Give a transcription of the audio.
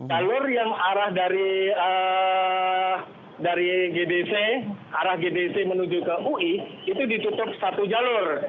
jalur yang arah dari gdc arah gdc menuju ke ui itu ditutup satu jalur